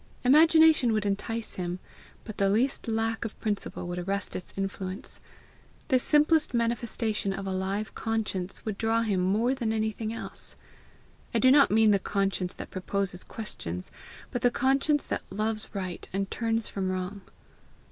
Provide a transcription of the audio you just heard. Imagination would entice him, but the least lack of principle would arrest its influence. The simplest manifestation of a live conscience would draw him more than anything else. I do not mean the conscience that proposes questions, but the conscience that loves right and turns from wrong.